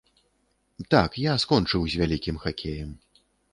Так, я скончыў з вялікім хакеем.